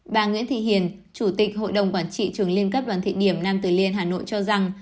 bà nguyễn thị hiền chủ tịch hội đồng quản trị trường liên cấp đoàn thị điểm nam tử liêm hà nội cho rằng